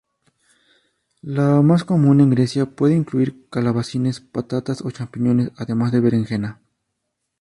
La más común en Grecia puede incluir calabacines, patatas o champiñones además de berenjena.